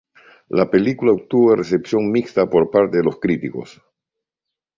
La película obtuvo recepción mixta por parte de los críticos.